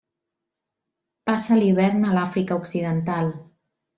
Passa l'hivern a l'Àfrica Occidental.